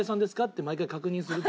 って毎回確認する。